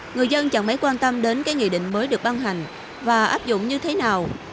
người dân chẳng mấy quan tâm đến cái nghị định mới được ban hành và áp dụng như thế nào